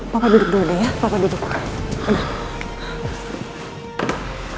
pak duduk dulu ya pak duduk